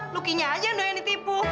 lucky nya aja yang ditipu